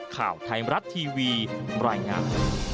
ข่าวไทยรัดทีวีรายงาน